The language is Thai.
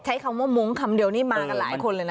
ใช้คำว่ามุ้งคำเดียวนี่มากันหลายคนเลยนะ